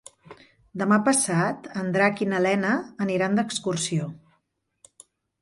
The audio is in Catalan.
Demà passat en Drac i na Lena aniran d'excursió.